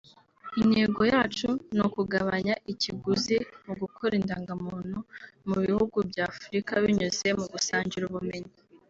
Intego yacu ni ukugabanya ikiguzi mu gukora indangamuntu mu bihugu bya Afurika binyuze mu gusangira ubumenyi